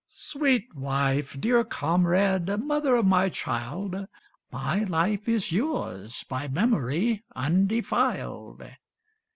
Sweet wife, dear comrade, mother of my child, My life is yours, by memory undefiled.